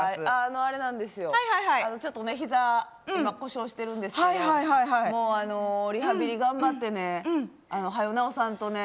あれなんですよ、今ひざ故障してるんですけど、もうリハビリ頑張ってね、はよ治さんとね。